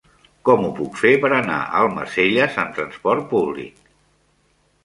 Com ho puc fer per anar a Almacelles amb trasport públic?